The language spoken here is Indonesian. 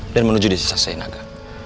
dan menuju desa sainaga